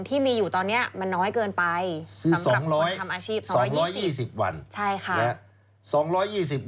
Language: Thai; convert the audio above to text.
ที่มีอยู่ตอนนี้มันน้อยเกินไปสำหรับคนทำอาชีพ๒๒๐วัน